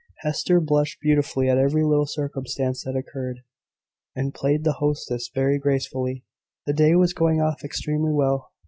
Hester blushed beautifully at every little circumstance that occurred, and played the hostess very gracefully. The day was going off extremely well.